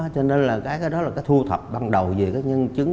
cho nên là cái đó là cái thu thập ban đầu về cái nhân chứng